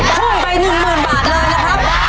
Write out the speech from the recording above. พุ่งไป๑๐๐๐บาทเลยนะครับ